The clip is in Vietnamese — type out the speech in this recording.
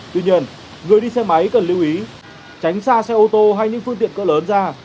tuy nhiên người đi xe máy cần lưu ý tránh xa xe ô tô hay những phương tiện cỡ lớn ra